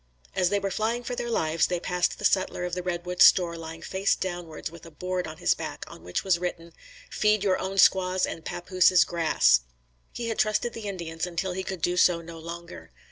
As they were flying for their lives, they passed the sutler of the Redwood store lying face downwards with a board on his back on which was written, "Feed your own squaws and papooses grass." He had trusted the Indians until he would do so no longer.